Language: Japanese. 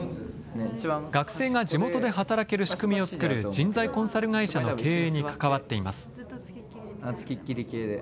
学生が地元で働ける仕組みを作る人材コンサル会社の経営に関わっています。